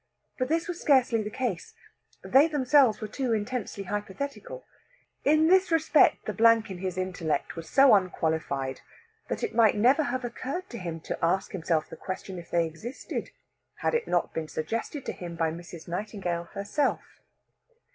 But this was scarcely the case. They themselves were too intensely hypothetical. In this respect the blank in his intellect was so unqualified that it might never have occurred to him to ask himself the question if they existed had it not been suggested to him by Mrs. Nightingale herself.